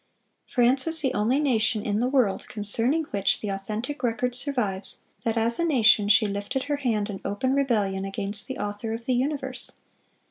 (393) "France is the only nation in the world concerning which the authentic record survives, that as a nation she lifted her hand in open rebellion against the Author of the universe.